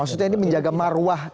maksudnya ini menjaga maruah